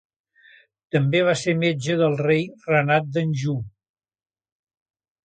També va ser metge del rei Renat d'Anjou.